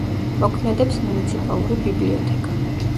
მოქმედებს მუნიციპალური ბიბლიოთეკა.